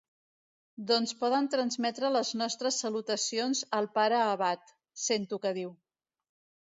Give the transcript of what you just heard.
Doncs poden transmetre les nostres salutacions al pare abat —sento que diu—.